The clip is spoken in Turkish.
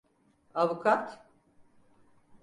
Avukat?